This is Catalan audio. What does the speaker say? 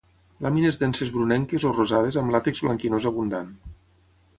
Làmines denses brunenques o rosades amb làtex blanquinós abundant.